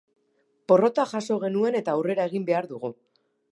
Porrota jaso genuen eta aurrera egin behar dugu.